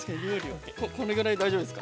これぐらいで大丈夫ですか？